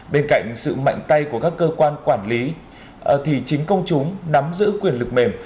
bên cạnh sự mạnh tay của các cơ quan quản lý thì chính công chúng nắm giữ quyền lực mềm